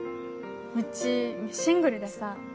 うちシングルでさ。